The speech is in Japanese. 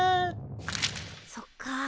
そっか。